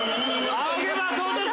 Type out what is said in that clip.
『仰げば尊し』！